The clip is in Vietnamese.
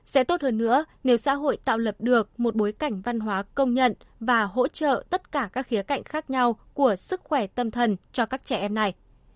sẽ tốt hơn nữa nếu xã hội tạo lập được một bối cảnh văn hóa công nhận và hỗ trợ tất cả các khía cạnh khác nhau của sức khỏe tâm thần cho các trẻ em này